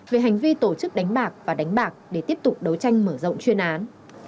về hành vi tổ chức đánh bạc và đánh bạc để tiếp tục đấu tranh mở rộng chuyên án